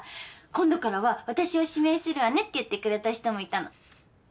今度からは私を指名するわねって言ってくれた人もいたの。